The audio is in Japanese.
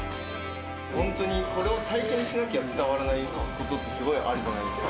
本当にこれは体験しなきゃ伝わらないことってすごいあるじゃないですか。